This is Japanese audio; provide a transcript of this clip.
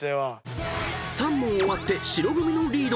［３問終わって白組のリード］